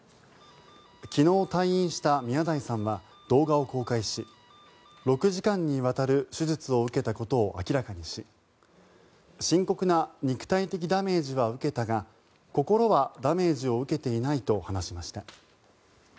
昨日退院した宮台さんは動画を公開し６時間にわたる手術を受けたことを明らかにし深刻な肉体的ダメージは受けたが心はダメージを受けていないと話しました。